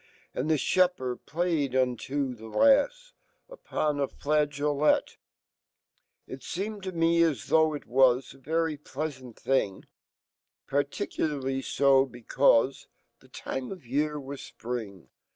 And he fhepherd playeduniofhelafs, Vpona flageolet It seemed to me as though ft was A very pleasant fhing$ Particularly fo becaufe The time of year was Spring.